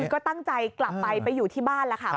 ก็ตั้งใจกลับไปไปอยู่ที่บ้านแล้วค่ะ